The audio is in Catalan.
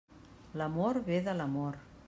L'amor ve de l'amor.